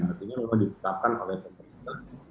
artinya memang ditetapkan oleh pemerintah